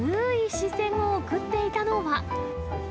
視線を送っていたのは。